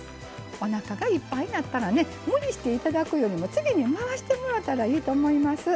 おなかがいっぱいになったら無理していただくよりも次に回してもらったらいいと思います。